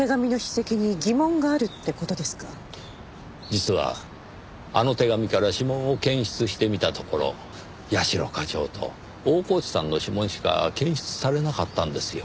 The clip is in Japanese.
実はあの手紙から指紋を検出してみたところ社課長と大河内さんの指紋しか検出されなかったんですよ。